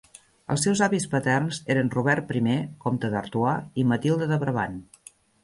Els seus avis paterns eren Robert Primer, comte d'Artois, i Matilde de Brabant.